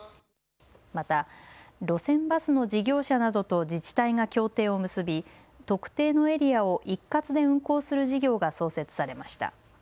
また路線バスの事業者などと自治体が協定を結び特定のエリアを一括で運行する事業が創設されました。